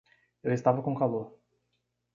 Eu estava com calor.